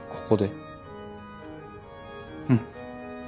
うん。